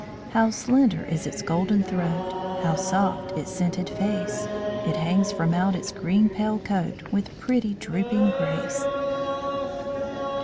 How slender is its golden throat! How soft its scented face! It hangs from out its green pale coat With pretty drooping grace.